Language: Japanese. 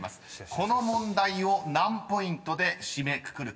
［この問題を何ポイントで締めくくるか］